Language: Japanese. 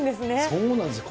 そうなんですよ。